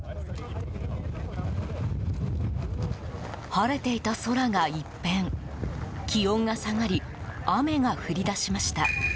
晴れていた空が一変気温が下がり雨が降り出しました。